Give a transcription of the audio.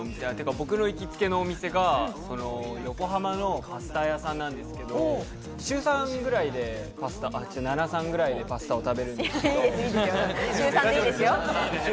僕の行きつけの店が横浜のパスタ屋さんなんですけれど、週３ぐらいでパスタを食べるんですけれど。